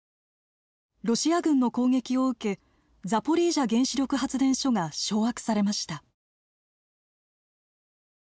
ロシア軍の攻撃を受けザポリージャ原子力発電所が掌握されました。